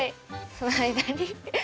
その間に。